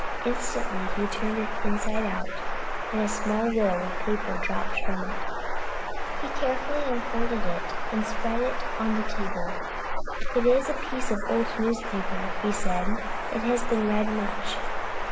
Instantly he turned it inside out, and a small roll of paper dropped from it. He carefully unfolded it and spread it on the table. "It is a piece of an old newspaper," said he, "and has been read much.